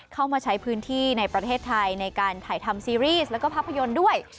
เข้ามาใช้พื้นที่ในประเทศไทยในการถ่ายทำซีรีส์แล้วก็ภาพยนตร์ด้วย